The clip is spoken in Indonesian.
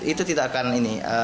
itu tidak akan ini